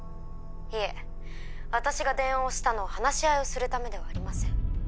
いえ私が電話をしたのは話し合いをするためではありません。